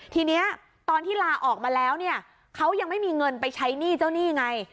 ทีนี้ตอนที่ลาออกมาแล้วเนี่ยเขายังไม่มีเงินไปใช้หนี้เจ้าหนี้ไง